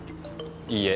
いいえ。